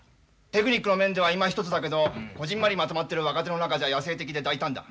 テクニックの面ではいまひとつだけどこぢんまりまとまってる若手の中じゃ野性的で大胆だ。